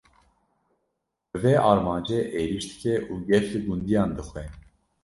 Bi vê armancê, êrîş dike û gef li gundiyan dixwe